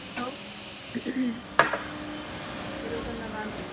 Nad fotografií je jednoduchý nápis „The Velvet Underground“.